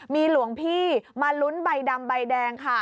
มีหลวงพี่มาลุ้นใบดำใบแดงค่ะ